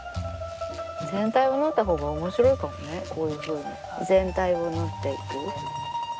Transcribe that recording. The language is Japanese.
全体を縫ったほうが面白いかもねこういうふうに全体を縫っていく。